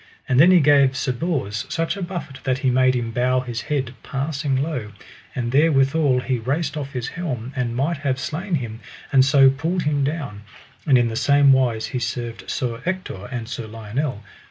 And then he gave Sir Bors such a buffet that he made him bow his head passing low; and therewithal he raced off his helm, and might have slain him; and so pulled him down, and in the same wise he served Sir Ector and Sir Lionel.